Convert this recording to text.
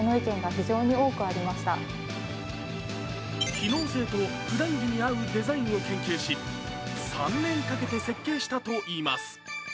機能性と普段着に合うデザインを研究し、３年かけて設計したといいます。